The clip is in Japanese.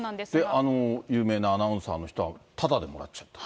あの有名なアナウンサーの人はただでもらっちゃった。